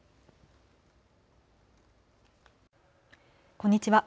こんにちは。